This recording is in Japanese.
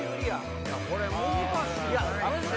これ難しいやん。